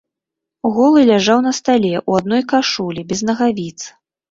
Голы ляжаў на стале, у адной кашулі, без нагавіц.